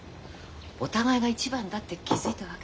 お互いが一番だって気付いたわけだ。